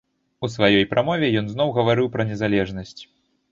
У сваёй прамове ён зноў гаварыў пра незалежнасць.